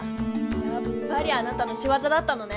やっぱりあなたのしわざだったのね！